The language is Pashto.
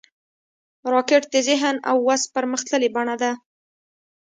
راکټ د ذهن او وس پرمختللې بڼه ده